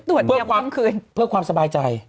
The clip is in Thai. ตรวจเที่ยวคล้ำคืนเพื่อความสบายใจ